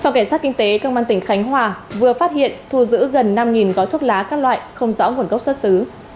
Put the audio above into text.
phòng cảnh sát kinh tế công an tỉnh khánh hòa vừa phát hiện thu giữ gần năm gói thuốc lá các loại không rõ nguồn gốc xuất xứ